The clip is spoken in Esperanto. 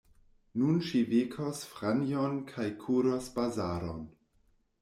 Nun ŝi vekos Franjon kaj kuros bazaron.